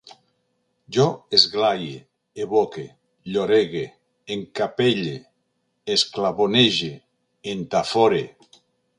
Jo esglaie, evoque, llorege, encapelle, esclavonege, entafore